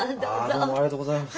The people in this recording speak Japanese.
あどうもありがとうございます。